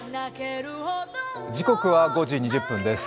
時刻は５時２０分です。